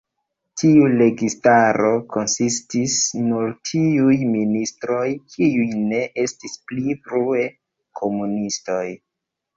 Tiu registaro konsistis nur tiuj ministroj, kiuj ne estis pli frue komunistoj.